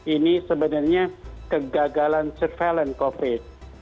ini sebenarnya kegagalan surveillance covid